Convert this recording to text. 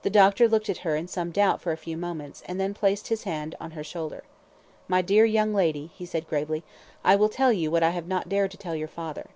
The doctor looked at her in some doubt for a few moments, and then placed his hand on her shoulder. "My dear young lady," he said gravely, "I will tell you what I have not dared to tell your father."